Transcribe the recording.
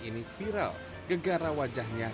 ini viral gegara wajahnya